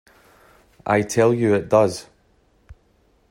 I tell you it does.